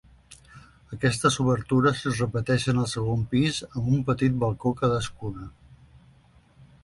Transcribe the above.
Aquestes obertures es repeteixen al segon pis amb un petit balcó cadascuna.